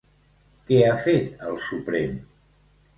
Què ha fet el Suprem?